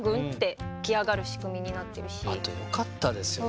あとよかったですよ。